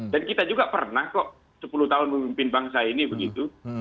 dan kita juga pernah kok sepuluh tahun memimpin bangsa ini begitu